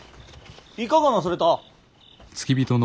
いかがなされた。